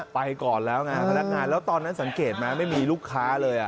ไปก่อนแล้วไงพนักงานแล้วตอนนั้นสังเกตไหมไม่มีลูกค้าเลย